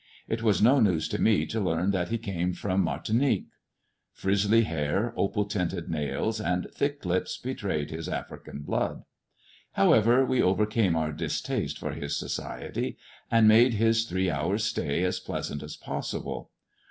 It was no news to me to learn that he came from Martinique. Frizzly hfiir, opal tinted nails, and thick lips betrayed his African blood. However, we overcame our distaste for his society, and made his three hours' stay as pleasant as possible.